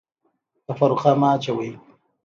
تفرقه مه اچوئ